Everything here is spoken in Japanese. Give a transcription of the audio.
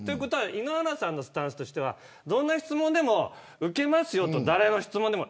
井ノ原さんのスタンスとしてはどんな質問でも受けますよと誰の質問でも。